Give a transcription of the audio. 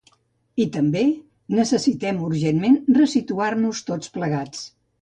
I també: Necessitem urgentment resituar-nos tots plegats.